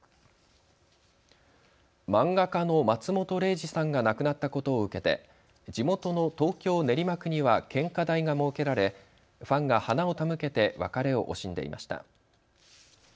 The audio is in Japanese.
漫画家の松本零士さんが亡くなったことを受けて地元の東京練馬区には献花台が設けられファンが花を手向けて別れを惜しんでいました。